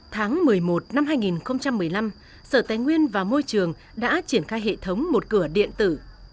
tháng một mươi một năm hai nghìn một mươi năm sở tài nguyên và môi trường đã triển khai hệ thống một cửa điện tử